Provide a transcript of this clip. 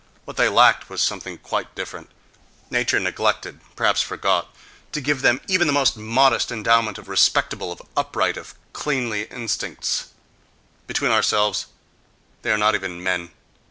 What they lacked was something quite different. Nature neglected—perhaps forgot—to give them even the most modest endowment of respectable, of upright, of cleanly instincts.... Between ourselves, they are not even men....